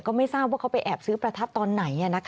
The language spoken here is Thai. ก็ไม่ทราบว่าเขาไปแอบซื้อประทัดตอนไหน